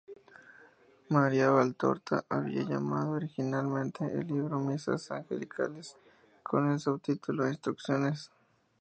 Maria Valtorta había llamado originalmente el libro "Misas Angelicales", con el subtítulo "Instrucciones".